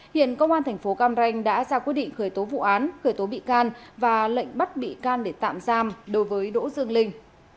hiện công an thành phố cam ranh đã ra quyết định khởi tố vụ án khởi tố bị can và lệnh bắt bị can để tạm giam đối với đỗ dương linh